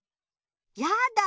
やだ！